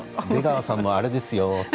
出川さんのはあれですよ